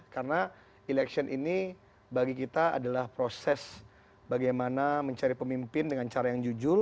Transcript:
karena election ini bagi kita adalah proses bagaimana mencari pemimpin dengan cara yang jujur